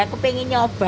ya aku pengen nyoba